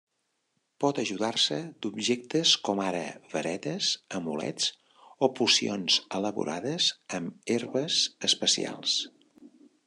Pot ajudar-se d'objectes com ara varetes, amulets o pocions elaborades amb herbes especials.